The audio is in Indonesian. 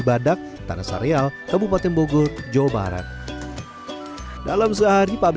waktu setempat empat kurang malah